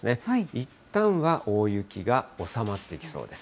いったんは大雪が収まってきそうです。